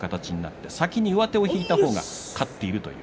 先に上手を引いた方が勝っています。